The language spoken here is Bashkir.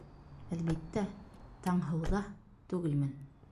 Әлбиттә, Таңһыу ҙа түгелмен.